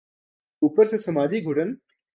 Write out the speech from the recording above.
اوپر سے سماجی گھٹن۔